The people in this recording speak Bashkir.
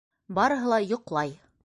Барыһы ла йоҡлай.